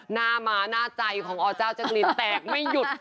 หน้าม้าหน้าใจของอเจ้าแจ๊กรีนแตกไม่หยุด